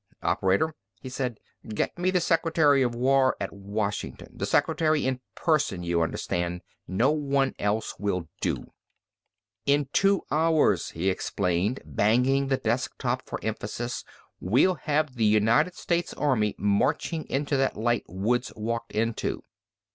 "Operator," he said, "get me the Secretary of War at Washington. The secretary in person, you understand. No one else will do." He turned again to the reporters who stood about the desk. "In two hours," he explained, banging the desk top for emphasis, "we'll have the United States Army marching into that light Woods walked into!"